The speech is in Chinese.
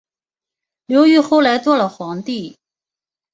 刘裕后来做了皇帝。